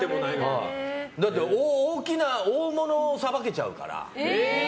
だって大物をさばけちゃうから。